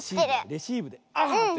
レシーブであっ！